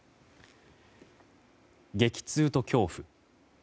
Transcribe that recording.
激痛と恐怖。